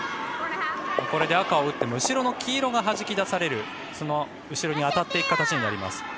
これで赤を打っても後ろの黄色がはじき出されるその後ろに当たっていく形になります。